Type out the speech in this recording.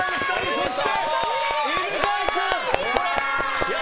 そして犬飼君！